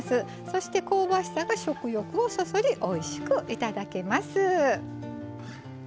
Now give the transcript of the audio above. そして香ばしさが食欲をそそりおいしくいただけます。